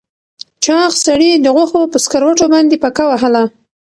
چاغ سړي د غوښو په سکروټو باندې پکه وهله.